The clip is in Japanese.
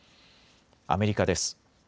アメリカです。